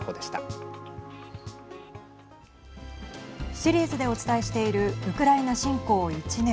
シリーズでお伝えしているウクライナ侵攻１年。